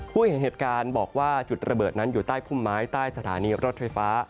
ผู้เห็นเหตุการณ์บอกว่าจุดระเบิดนั้นอยู่ใต้พุ่มไม้ใต้สถานีรถไฟฟ้า